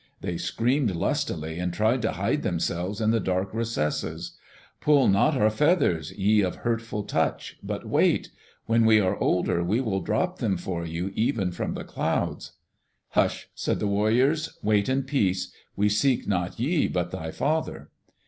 They screamed lustily and tried to hide themselves in the dark recesses. "Pull not our feathers, ye of hurtful touch, but wait. When we are older we will drop them for you even from the clouds." "Hush," said the warriors. "Wait in peace. We seek not ye but thy father."